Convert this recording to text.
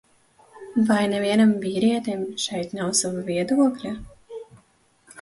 Vai nevienam vīrietim šeit nav sava viedokļa?